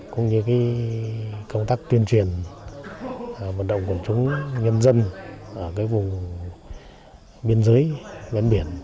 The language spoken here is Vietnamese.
cũng như công tác tuyên truyền vận động của chúng nhân dân ở vùng biên giới bên biển